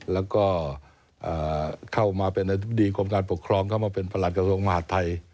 แล้วก็เข้ามาเป็นอธิบดีกรมการปกครองเข้ามาเป็นประหลัดกระทรวงมหาดไทย